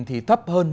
thì thấp hơn